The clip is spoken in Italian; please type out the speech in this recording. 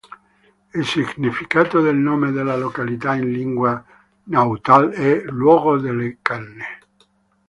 Il significato del nome della località in lingua nahuatl è "luogo delle canne".